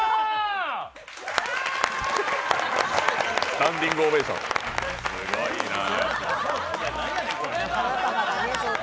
スタンディングオベーション、すごいな。